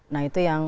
nah itu yang